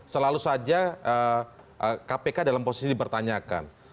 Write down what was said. selalu saja kpk dalam posisi dipertanyakan